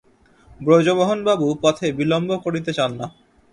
ব্রজমোহনবাবু পথে বিলম্ব করিতে চান না।